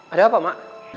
ada apa mak